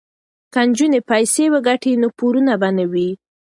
که نجونې پیسې وګټي نو پورونه به نه وي.